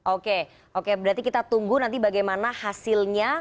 oke oke berarti kita tunggu nanti bagaimana hasilnya